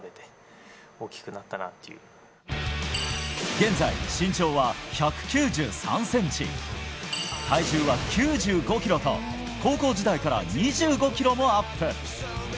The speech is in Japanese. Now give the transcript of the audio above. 現在、身長は１９３ｃｍ体重は９５ｋｇと高校時代から２５ｋｇもアップ。